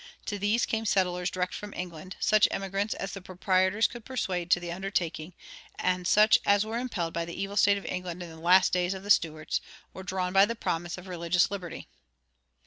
To these came settlers direct from England, such emigrants as the proprietors could persuade to the undertaking, and such as were impelled by the evil state of England in the last days of the Stuarts, or drawn by the promise of religious liberty.